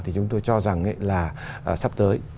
thì chúng tôi cho rằng là sắp tới